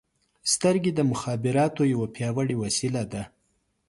• سترګې د مخابراتو یوه پیاوړې وسیله ده.